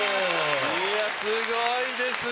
いやすごいですね。